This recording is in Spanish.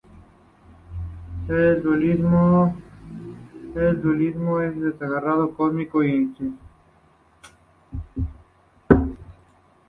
El dualismo es un desgarro cosmológico y existencial.